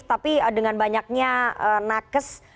tapi dengan banyaknya nakes